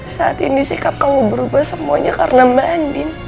saat ini sikap kamu berubah semuanya karena mbak andi